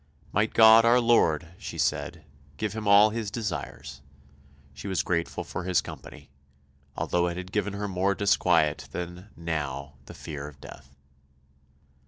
Might God our Lord, she said, give him all his desires; she was grateful for his company, although it had given her more disquiet than, now, the fear of death.